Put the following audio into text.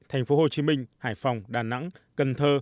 thành phố hồ chí minh hải phòng đà nẵng cần thơ